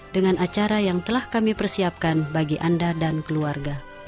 dengan acara yang telah kami persiapkan bagi anda dan keluarga